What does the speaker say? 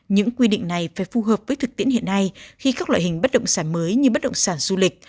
những quy định này phải phù hợp với thực tiễn hiện nay khi các loại hình bất động sản mới như bất động sản du lịch